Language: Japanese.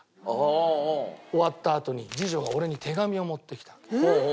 終わったあとに次女が俺に手紙を持ってきたの。